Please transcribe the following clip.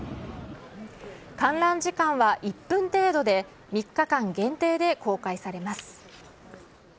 観覧時間は１分程度で、３日間限定で公開されます。